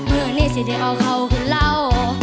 เมื่อนี้สิที่อ่าเขาก็เล่า